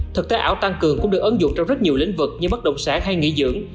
thực tế ảo tăng cường cũng được ứng dụng trong rất nhiều lĩnh vực như bất động sản hay nghỉ dưỡng